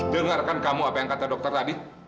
dengarkan kamu apa yang kata dokter tadi